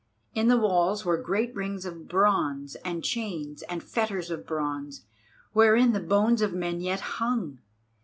In the walls were great rings of bronze, and chains and fetters of bronze, wherein the bones of men yet hung.